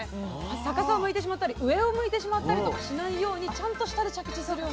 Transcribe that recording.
逆さを向いてしまったり上を向いてしまったりとかしないようにちゃんと下で着地するようにと。